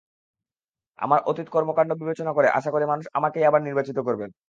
আমার অতীত কর্মকাণ্ড বিবেচনা করে আশা করি মানুষ আমাকেই আবার নির্বাচিত করবেন।